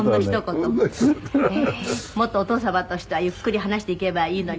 「もっとお父様としてはゆっくり話していけばいいのに」